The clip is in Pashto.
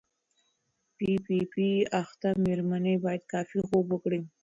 پی پي پي اخته مېرمنې باید کافي خوب وکړي.